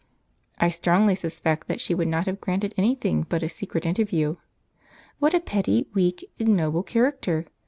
I strongly suspect that she would not have granted anything but a secret interview. What a petty, weak, ignoble character!